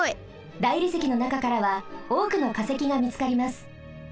大理石のなかからはおおくのかせきがみつかります。